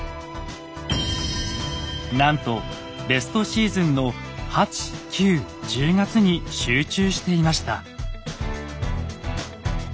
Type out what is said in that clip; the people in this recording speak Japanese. なんとベストシーズンの８９１０月に集中していました。